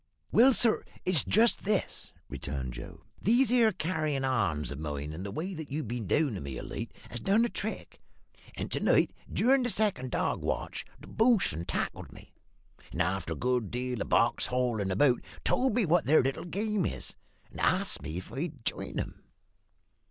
"Well, sir, it's just this," returned Joe. "These here carryin's on of mine, and the way that you've been down upon me of late, has done the trick; and, to night, durin' the second dog watch, the bosun tackled me, and, after a good deal of box haulin' about, told me what their little game is, and asked me if I'd jine 'em."